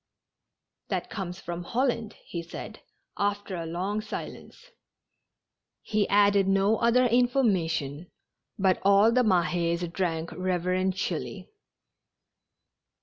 " That comes from Holland," he said, after a long silence. He added no other information, but all the Mahes drank reverentially.